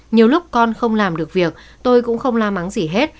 nhiều lúc con không làm được việc tôi cũng không la mắng gì hết